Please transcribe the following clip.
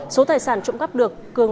số tài sản trộm cắp được